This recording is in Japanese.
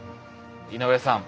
井上さん